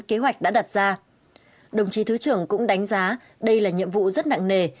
kế hoạch đã đặt ra đồng chí thứ trưởng cũng đánh giá đây là nhiệm vụ rất nặng nề